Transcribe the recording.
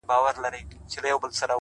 له غمه هېر يم د بلا په حافظه کي نه يم”